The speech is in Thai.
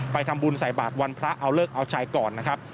ทำบุญใส่บาทวันพระเอาเลิกเอาชัยก่อนนะครับ